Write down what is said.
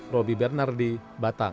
roby bernardi batang